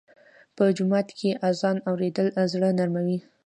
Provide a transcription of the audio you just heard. په جومات کې اذان اورېدل زړه نرموي.